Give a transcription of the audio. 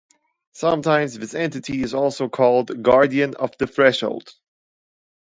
Sometimes this entity is also called Guardian of the Threshold.